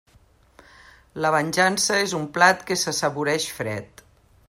La venjança és un plat que s'assaboreix fred.